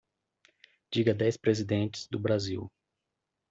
Diga dez Presidentes do Brasil.